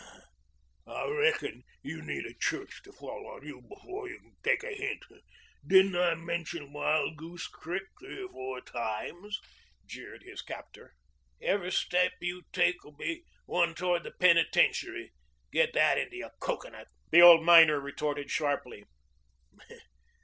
"I reckon you need a church to fall on you before you can take a hint. Didn't I mention Wild Goose Creek three or four times?" jeered his captor. "Every step you take will be one toward the penitentiary. Get that into your cocoanut," the old miner retorted sharply.